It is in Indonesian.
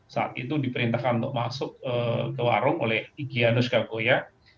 saat itu diperintahkan untuk masuk ke warung oleh iki anus kalkoya